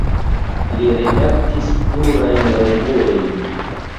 Li redaktis plurajn revuojn.